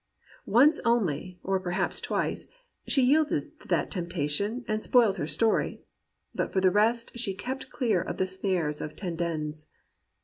Once only, or perhaps twice, she yielded to that temptation and spoiled her story. But for the rest she kept clear of the snare of Tendenz.